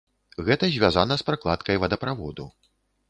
Гэта звязана з пракладкай вадаправоду.